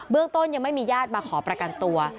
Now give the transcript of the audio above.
เรื่องต้นยังไม่มีญาติมาขอประกันตัว